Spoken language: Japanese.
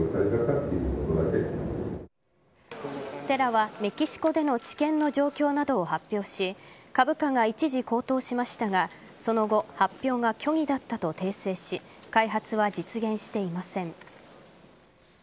テラはメキシコでの治験の状況などを発表し株価が一時高騰しましたがその後発表が虚偽だったと訂正し開発は実現していません。